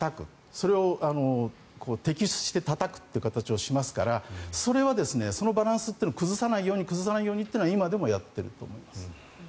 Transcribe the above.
それを敵視してたたくという形をしますからそれはそのバランスは崩さないようにというのは今でもやっていると思います。